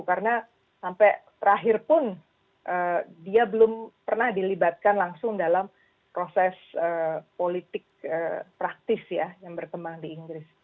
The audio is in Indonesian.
karena sampai terakhir pun dia belum pernah dilibatkan langsung dalam proses politik praktis ya yang bertemang di inggris